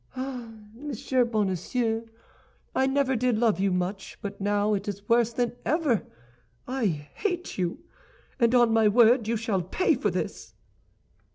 Ah, Monsieur Bonacieux, I never did love you much, but now it is worse than ever. I hate you, and on my word you shall pay for this!"